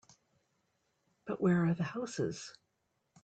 But where are the houses?